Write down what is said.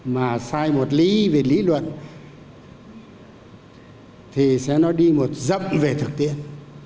nếu không phải một lý về lý luận thì sẽ nó đi một dẫm về thực tiễn